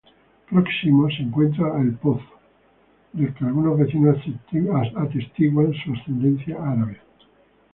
Próximo se encuentra El Pozo, del que algunos vecinos atestiguan su ascendencia árabe.